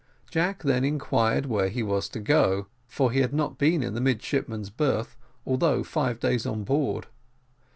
Jack then inquired where he was to go, for he had not yet been in the midshipmen's berth, although five days on board.